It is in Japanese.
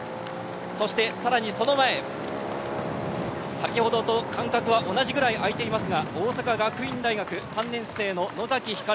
そしてさらにその前先ほどと感覚は同じくらい空いていますが大阪学院大学３年生の野崎光。